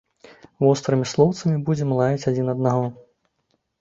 Вострымі слоўцамі будзем лаяць адзін аднаго.